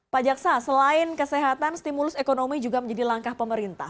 pak jaksa selain kesehatan stimulus ekonomi juga menjadi langkah pemerintah